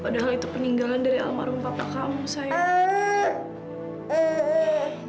padahal itu peninggalan dari almarhum papa kamu sayang